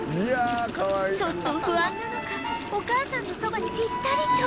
ちょっと不安なのかお母さんのそばにピッタリと